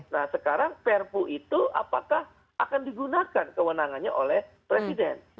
nah sekarang perpu itu apakah akan digunakan kewenangannya oleh presiden